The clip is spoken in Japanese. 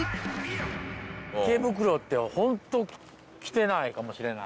池袋ってほんと来てないかもしれない。